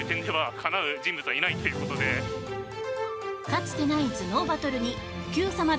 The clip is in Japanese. かつてない頭脳バトルにＱさま！！